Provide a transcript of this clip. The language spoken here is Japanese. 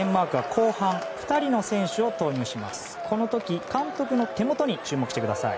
この時、監督の手元に注目してください。